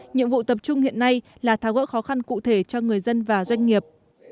nhiệm vụ tập trung hiện nay là tháo gỡ khó khăn cụ thể cho người dân và doanh nghiệp